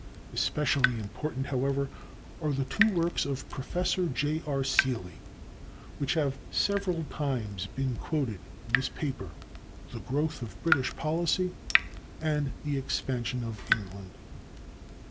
Especially important, however, are the two works of Professor J. R. Seeley which have several times been quoted in this paper: "The Growth of British Policy" and the "Expansion of England."